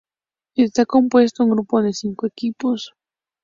Está compuesto por un grupo de cinco equipos.